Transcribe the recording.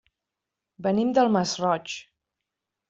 Venim del Masroig.